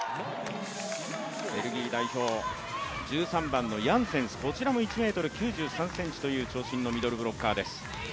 １３番のヤンセンス、こちらも１ｍ９３ｃｍという長身のミドルブロッカーです。